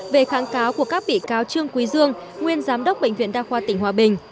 về kháng cáo của các bị cáo trương quý dương nguyên giám đốc bệnh viện đa khoa tỉnh hòa bình